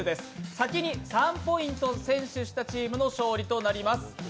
先に３ポイント先取したチームの勝利となります。